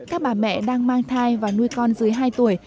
các bà mẹ đang mang thai và nuôi con dưới hai tuổi